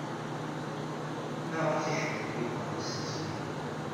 Maɣef ay iḥemmel Yuba asensu-a?